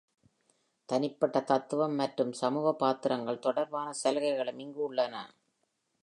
தனிப்பட்ட தத்துவம் மற்றும் சமூக பாத்திரங்கள் தொடர்பான சலுகைகளும் இங்கு உள்ளன.